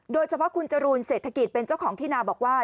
โดยเฉพาะคุณจรูนเศรษฐกิจเป็นเจ้าของที่นาบอกว่า